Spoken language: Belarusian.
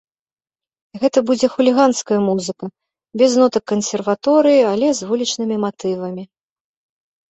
Гэта будзе хуліганская музыка без нотак кансерваторыі, але з вулічнымі матывамі.